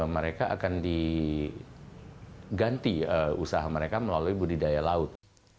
mereka akan diganti usaha mereka melalui budidaya laut